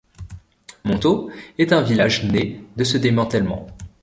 Montaud est un village né de ce démantèlement.